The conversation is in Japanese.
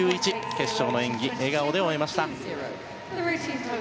決勝の演技、笑顔で終えました。